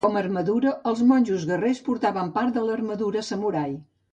Com a armadura, els monjos guerrers portaven part de l'armadura samurai.